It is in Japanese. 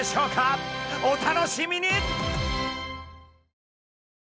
お楽しみに！